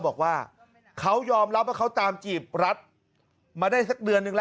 บอกว่าเขายอมรับว่าเขาตามจีบรัฐมาได้สักเดือนนึงแล้ว